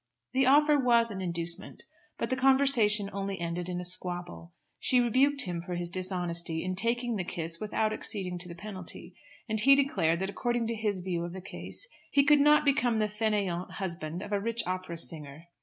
The offer was an inducement, but the conversation only ended in a squabble. She rebuked him for his dishonesty, in taking the kiss without acceding to the penalty, and he declared that according to his view of the case, he could not become the fainéant husband of a rich opera singer.